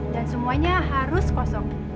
dan semuanya harus kosong